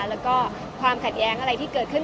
แล้วก็ความขัดแย้งอะไรที่เกิดขึ้น